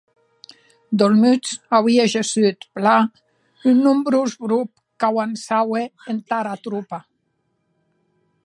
D’Olmutz, auie gessut, plan, un nombrós grop qu’auançaue entara tropa.